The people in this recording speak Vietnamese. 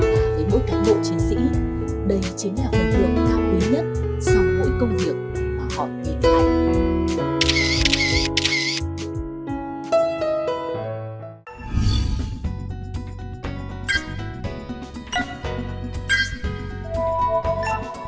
và với mỗi cảnh bộ chiến sĩ đây chính là một lượng cao quý nhất sau mỗi công việc mà họ tìm thấy